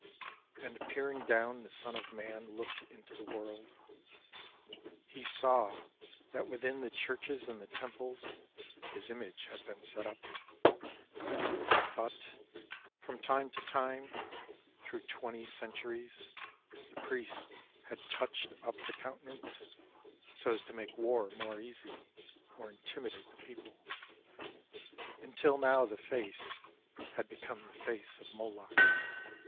And peering down The Son of Man looked into the world ; He saw That within the churches and the temples His image had been set up ; But, from time to time, Through twenty centuries, The priests had touched up the countenance So as to make war more ea Or intimidate the people — Until now the Face Had become the Face of Moloch